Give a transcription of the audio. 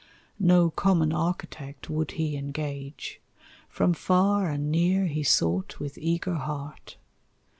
No common architect would he engage; From far and near he sought with eager heart.